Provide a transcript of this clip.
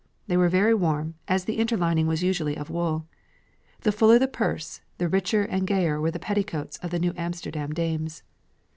They were very warm, as the interlining was usually of wool. The fuller the purse, the richer and gayer were the petticoats of the New Amsterdam dames.